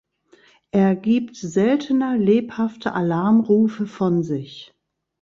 Er gibt seltener lebhafte Alarmrufe von sich.